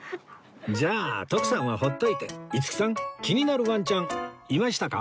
じゃあ徳さんはほっといて五木さん気になるワンちゃんいましたか？